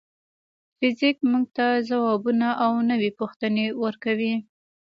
فزیک موږ ته ځوابونه او نوې پوښتنې ورکوي.